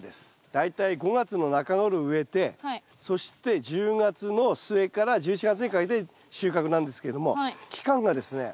大体５月の中ごろ植えてそして１０月の末から１１月にかけて収穫なんですけれども期間がですね